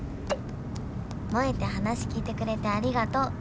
「萌たゃ話聞いてくれてありがとう。